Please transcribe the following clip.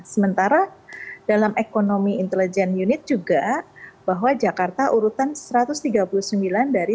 sementara dalam ekonomi intelijen unit juga bahwa jakarta urutan satu ratus tiga puluh sembilan dari satu ratus tujuh puluh tiga